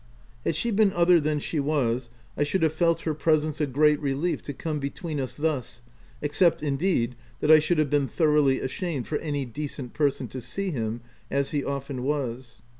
Had she been other than she was, I should have felt her presence a great relief to come between us thus, except, indeed, that I should have been thoroughly ashamed for any decent person to see him as he often was.